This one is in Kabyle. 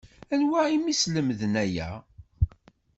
Anwa i m-yeslemden aya?